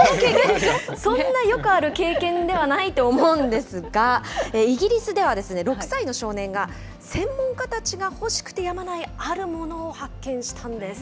そんなよくある経験ではないと思うんですが、イギリスでは６歳の少年が、専門家たちが欲しくてやまないあるものを発見したんです。